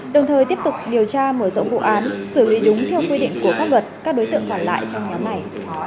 đồng thời tiếp tục điều tra mở rộng vụ án xử lý đúng theo quy định của pháp luật các đối tượng còn lại trong nhóm này